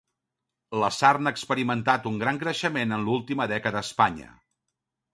La sarna ha experimentat un gran creixement en l'última dècada a Espanya.